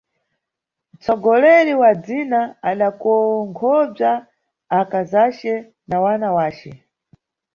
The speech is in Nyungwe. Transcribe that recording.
Mtsogoleri wa dzinza adakonkhobza akazace na wana wace.